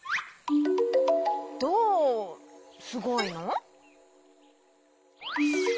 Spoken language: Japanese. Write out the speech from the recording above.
どうすごいの？